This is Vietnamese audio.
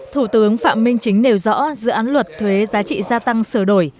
thủ tướng phạm minh chính nêu rõ dự án luật thuế giá trị gia tăng sửa đổi